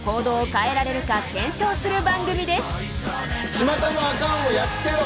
巷のアカンをやっつけろ！